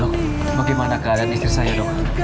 dok bagaimana keadaan istri saya dok